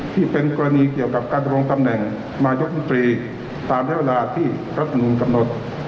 ที่เป็นกรณีเกี่ยวกับการดำรงตำแหน่งนายกรรมตรีตามให้เวลาที่รัฐมนุนกำหนด